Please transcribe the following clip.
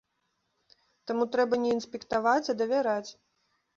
Таму трэба не інспектаваць, а давяраць.